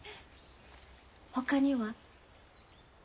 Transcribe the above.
ほかには？